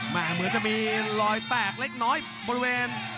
เหมือนจะมีรอยแตกเล็กน้อยบริเวณ